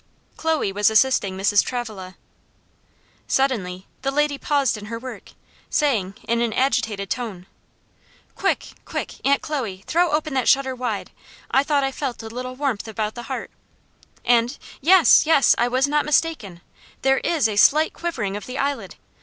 Chloe was assisting Mrs. Travilla. Suddenly the lady paused in her work, saying, in an agitated tone, "Quick! quick! Aunt Chloe, throw open that shutter wide. I thought I felt a little warmth about the heart, and yes! yes! I was not mistaken; there is a slight quivering of the eyelid.